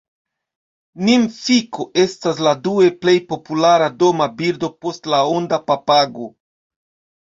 Nimfiko estas la due plej populara doma birdo post la onda papago.